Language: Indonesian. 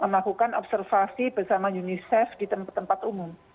melakukan observasi bersama unicef di tempat tempat umum